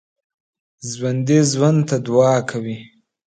ژوندي ژوند ته دعا کوي